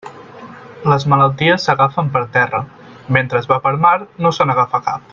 Les malalties s'agafen per terra; mentre es va per mar no se n'agafa cap.